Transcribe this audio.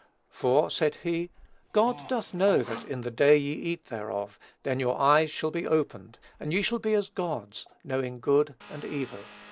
"For," said he, "God doth know that in the day ye eat thereof, then your eyes shall be opened, and ye shall be as gods knowing good and evil."